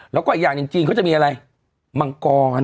แล้วก็อีกอย่างหนึ่งจีนเขาจะมีอะไรมังกร